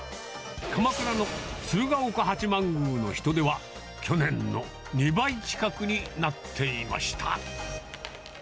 鎌倉の鶴岡八幡宮の人出は、去年の２倍近くになっていました。